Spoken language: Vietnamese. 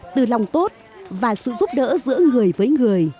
từ lòng tốt và sự giúp đỡ giữa người với người